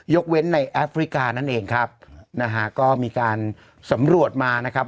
เว้นในแอฟริกานั่นเองครับนะฮะก็มีการสำรวจมานะครับ